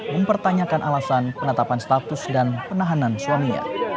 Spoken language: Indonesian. mempertanyakan alasan penetapan status dan penahanan suaminya